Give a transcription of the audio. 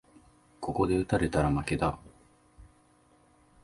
ここで打たれたら負けだ